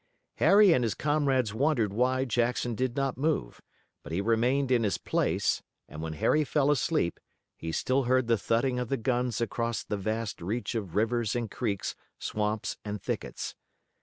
Harry and his comrades wondered why Jackson did not move, but he remained in his place, and when Harry fell asleep he still heard the thudding of the guns across the vast reach of rivers and creeks, swamps and thickets.